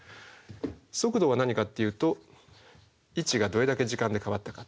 速度は何かっていうと位置がどれだけ時間で変わったかと。